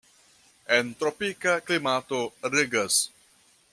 En tropika klimato regas.